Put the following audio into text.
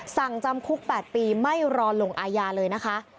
สั่งจำคุก๘ปีไม่รอลงอาญาเลยนะคะ